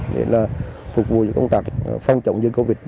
để phục vụ công tác phong trọng dưới covid một mươi chín